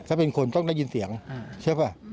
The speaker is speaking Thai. ถ้าเป็นคนต้องได้ยินเสียงใช่ป่ะ